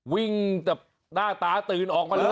วิ่งแบบหน้าตาตื่นออกมาเลย